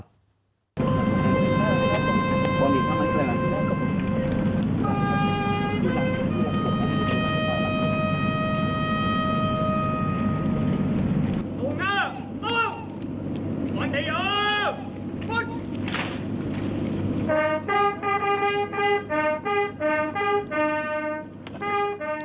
ปุ่น